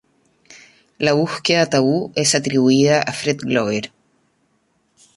La búsqueda tabú es atribuida a Fred Glover.